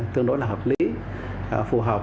tương đối là hợp lý phù hợp